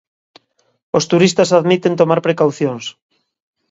Os turistas admiten tomar precaucións.